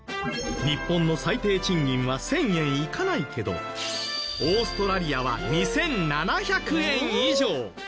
日本の最低賃金は１０００円いかないけどオーストラリアは２７００円以上。